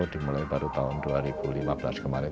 dimulai baru tahun dua ribu lima belas kemarin